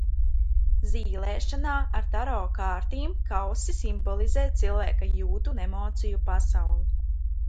Zīlēšanā ar taro kārtīm kausi simbolizē cilvēka jūtu un emociju pasauli.